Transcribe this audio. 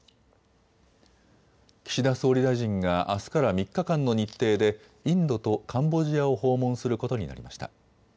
岸田総理大臣があすから３日間の日程でインドとカンボジアを訪問することになりました。